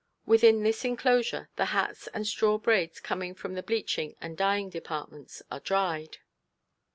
Within this enclosure the hats and straw braids coming from the bleaching and dyeing departments are dried.